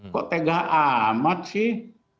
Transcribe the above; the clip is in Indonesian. kok tega amat sih